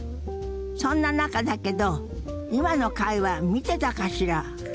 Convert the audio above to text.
そんな中だけど今の会話見てたかしら？